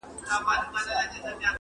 o توره کښلې، کونه کښلې!